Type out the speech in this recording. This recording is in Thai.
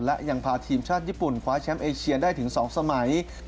และยังพาทีมชาติญี่ปุ่นคว้าแชมป์เอเชียได้ถึง๒สมัย